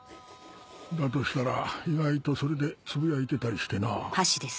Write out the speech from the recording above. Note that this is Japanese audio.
だとしたら意外とそれでつぶやいてたりしてな。